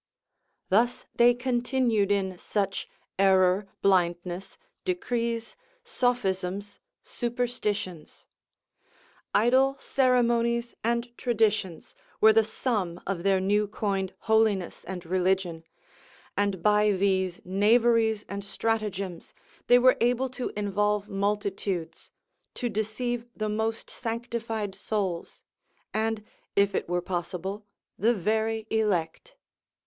Thus they continued in such error, blindness, decrees, sophisms, superstitions; idle ceremonies and traditions were the sum of their new coined holiness and religion, and by these knaveries and stratagems they were able to involve multitudes, to deceive the most sanctified souls, and, if it were possible, the very elect.